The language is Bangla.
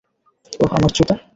ওহ, আমার জুতা!